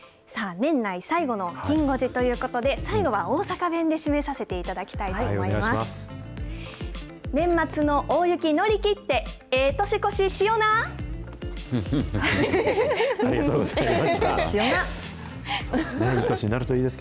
年内最後のきん５時ということで、最後は大阪弁で締めさせていただきたいと思います。